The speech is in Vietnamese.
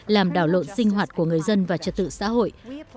làm đảo lộn sinh hoạt của người dân và trật tự xã hội